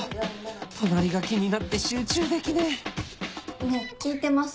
隣が気になって集中できねえねぇ聞いてます？